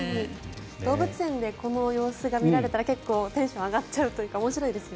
動物園でこの様子が見られたらテンションが上がっちゃうというかおもしろいですよね。